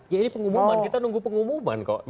ya ini pengumuman kita nunggu pengumuman kok